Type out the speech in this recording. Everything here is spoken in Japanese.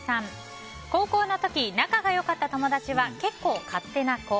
高校の時、仲が良かった友達は結構、勝手な子。